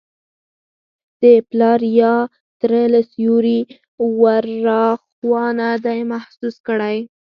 د پلار یا تره له سیوري وراخوا نه دی محسوس کړی.